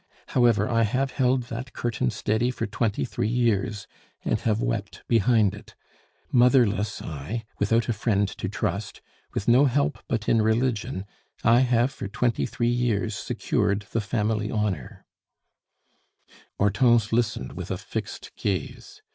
However, I have held that curtain steady for twenty three years, and have wept behind it motherless, I, without a friend to trust, with no help but in religion I have for twenty three years secured the family honor " Hortense listened with a fixed gaze.